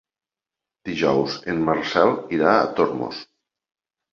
Dijous en Marcel irà a Tormos.